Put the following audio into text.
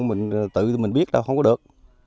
mình tự mình biết đâu không có được